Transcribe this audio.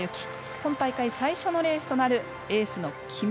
今大会最初のレースとなるエースの木村。